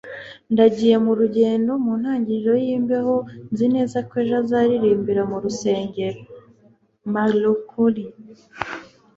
Ndagiye mu rugendo mu ntangiriro yimbeho. Nzi neza ko ejo azaririmbira mu rusengero. (marloncori)